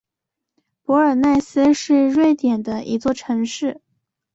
博尔奈斯是瑞典的一座城市。